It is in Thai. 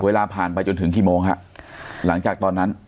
เวลาผ่านไปจนถึงกี่โมงฮะหลังจากตอนนั้น